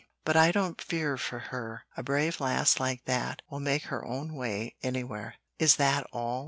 But I don't fear for her; a brave lass like that will make her own way anywhere." "Is that all?"